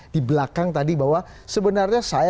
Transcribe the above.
di belakang tadi bahwa sebenarnya saya